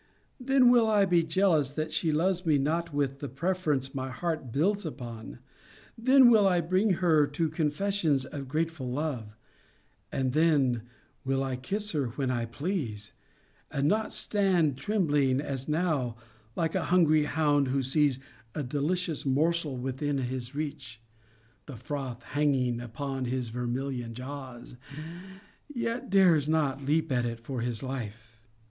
Then will I be jealous that she loves me not with the preference my heart builds upon: then will I bring her to confessions of grateful love: and then will I kiss her when I please; and not stand trembling, as now, like a hungry hound, who sees a delicious morsel within his reach, (the froth hanging upon his vermilion jaws,) yet dares not leap at it for his life.